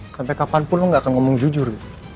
sampai kapanpun lo gak akan ngomong jujur